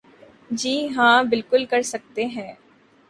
جی ہاں بالکل کر سکتے ہیں ۔